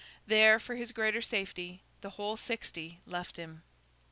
There, for his greater safety, the whole sixty left him.